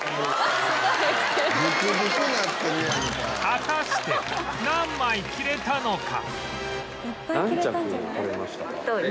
果たして何枚着れたのか？